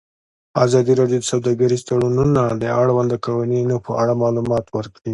ازادي راډیو د سوداګریز تړونونه د اړونده قوانینو په اړه معلومات ورکړي.